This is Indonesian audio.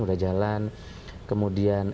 sudah jalan kemudian